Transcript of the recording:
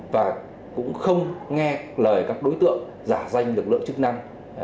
và cũng không nghe lời các đối tượng giả danh lực lượng chức năng